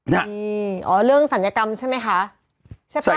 นี่อ๋อเรื่องศัลยกรรมใช่ไหมคะ